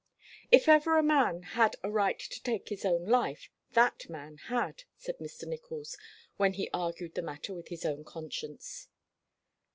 "If ever a man had a right to take his own life, that man had," said Mr. Nicholls, when he argued the matter with his own conscience.